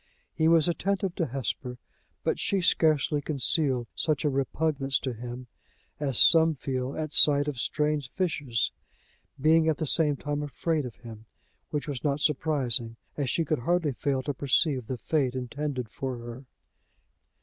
He was attentive to Hesper; but she scarcely concealed such a repugnance to him as some feel at sight of strange fishes being at the same time afraid of him, which was not surprising, as she could hardly fail to perceive the fate intended for her.